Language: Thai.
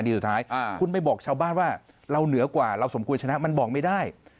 สุดท้ายคุณไปบอกชาวบ้านว่าเราเหนือกว่าเราสมควรชนะมันบอกไม่ได้